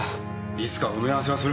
いつか埋め合わせはする。